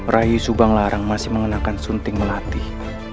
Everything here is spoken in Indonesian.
rayu subang larang masih mengenakan sunting melatih